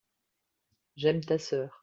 j'aime ta sœur.